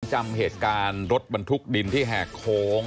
จำเหตุการณ์รถบรรทุกดินที่แหกโค้ง